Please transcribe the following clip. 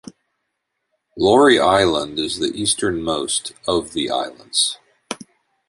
Laurie Island is the easternmost of the islands.